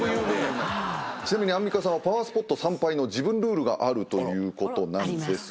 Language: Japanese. ちなみにアンミカさんはパワースポット参拝の自分ルールがあるということなんですが。